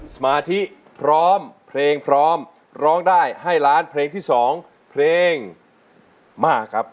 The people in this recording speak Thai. สมาธิพร้อมเพลงพร้อมร้องได้ให้ล้านเพลงที่๒เพลงมาครับ